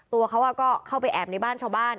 ตัวเขาก็เข้าไปแอบในบ้านชาวบ้าน